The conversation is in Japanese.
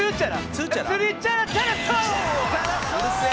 「うるせえ」